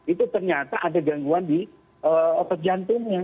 itu ternyata ada gangguan di otot jantungnya